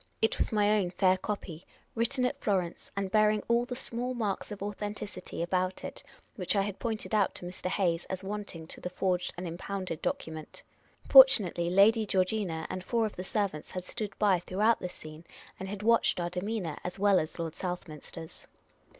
It was my own fair copy, written at Florence, and bearing all the small marks of authenticit}'^ about it which I had pointed out to Mr. Hayes as wanting to the forged and impounded document. Fortunately, Lady Geor gina and four of the ser vants had stood by throughout this scene, and had watched our demean o u r , as well as Lord Southminster's.